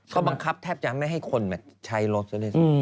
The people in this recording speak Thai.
เขาบังคับแทบจะไม่ให้คนใช้รถซะด้วยซ้ำ